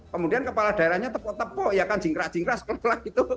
kemudian kepala daerahnya tepuk tepuk ya kan jingkrak jingkras kelak gitu